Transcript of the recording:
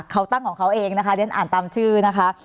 เค้าตั้งของเค้าเองนะคะเดี๋ยวนั้นอ่านตามชื่อนะคะ